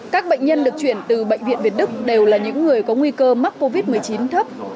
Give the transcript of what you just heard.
các bệnh nhân được chuyển từ bệnh viện việt đức đều là những người có nguy cơ mắc covid một mươi chín thấp